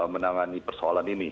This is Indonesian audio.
menangani persoalan ini